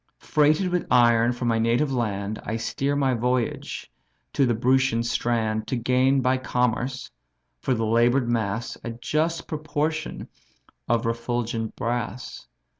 Freighted with iron from my native land, I steer my voyage to the Brutian strand To gain by commerce, for the labour'd mass, A just proportion of refulgent brass.